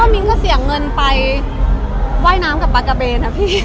ก็มินก็เสี่ยงเงินไปว่ายน้ำกับประกับเนอะพี่